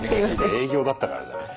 営業だったからじゃない。